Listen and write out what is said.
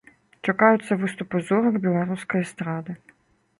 Чакаюцца выступы зорак беларускай эстрады.